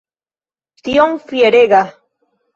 Tiom fierega!